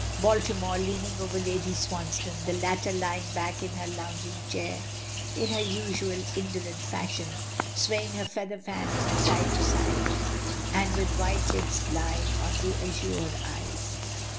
Baltimore, leaning over Lady Swansdown, the latter lying back in her lounging chair in her usual indolent fashion, swaying her feather fan from side to side, and with white lids lying on the azure eyes.